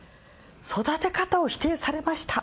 「育て方を否定されました！」